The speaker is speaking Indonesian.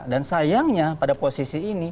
dan sayangnya pada posisi ini